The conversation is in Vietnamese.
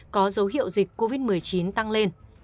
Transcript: có dấu hiệu dịch covid một mươi chín tăng lên